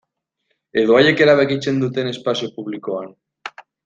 Edo haiek erabakitzen duten espazio publikoan.